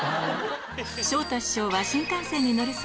昇太師匠は新幹線に乗る際